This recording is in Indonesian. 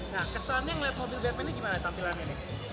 nah kesannya ngeliat mobil batman ini gimana tampilannya